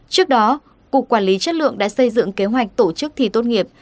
trước đó cục quản lý chất lượng đã xây dựng kế hoạch tổ chức thi tốt nghiệp